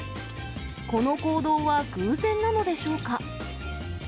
この行動は偶然なのでしょうか。